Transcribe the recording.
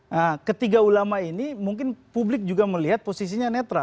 nah ketiga ulama ini mungkin publik juga melihat posisinya netral